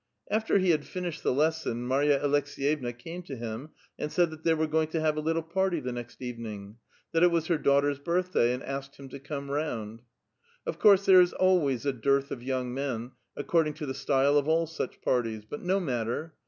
After he had finished the lesson, Marya Aleks^yevna came to him and said that they were going to have a little party the next evening ; that it was her daughter's birthday, and asked him to come round. Of course, there is always a dearth of young men, accord ing to the style of all such parties ; but no matter.